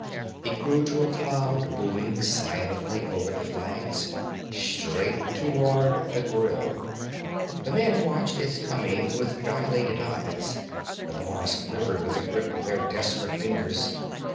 It grew to a cloud moving silently over the flags straight toward the grille. The men watched its coming with dilated eyes; the bars quivered with the grip of their desperate fingers.